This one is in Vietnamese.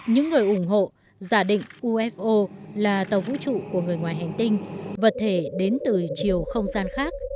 những người ủng hộ giả định ufo là tàu vũ trụ của người ngoài hành tinh vật thể đến từ chiều không gian khác